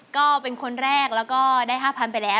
ก็เป็นคนแรกแล้วก็ได้๕๐๐ไปแล้ว